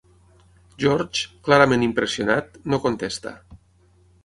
George, clarament impressionat, no contesta.